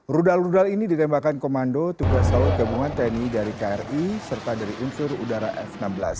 rudal rudal ini ditembakkan komando tugas laut gabungan tni dari kri serta dari unsur udara f enam belas